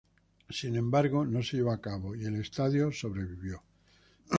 Sin embargo, no se llevó a cabo y el Estadio sobrevivió.